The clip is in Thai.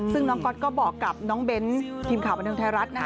ซึ่งน้องก๊อตก็บอกกับน้องเบ้นทีมข่าวบันเทิงไทยรัฐนะ